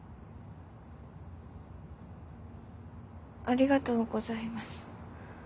ありがとうございます。